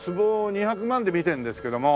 坪２００万で見てるんですけども。